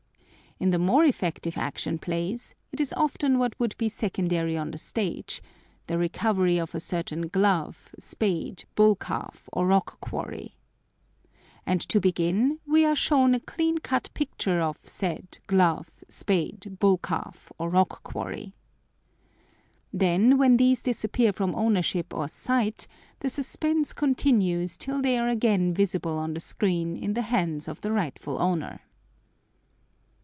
In the more effective Action Plays it is often what would be secondary on the stage, the recovery of a certain glove, spade, bull calf, or rock quarry. And to begin, we are shown a clean cut picture of said glove, spade, bull calf, or rock quarry. Then when these disappear from ownership or sight, the suspense continues till they are again visible on the screen in the hands of the rightful owner.